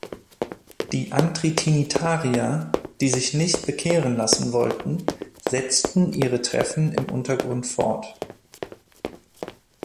Die Antitrinitarier, die sich nicht bekehren lassen wollten, setzten ihre Treffen im Untergrund fort.